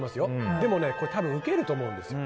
でもウケると思うんですよ。